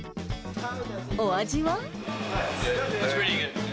お味は？